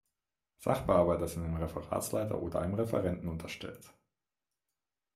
Sachbearbeiter sind dem Referatsleiter oder einem Referenten unterstellt.